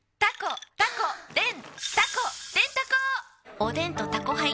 おでんと「タコハイ」ん！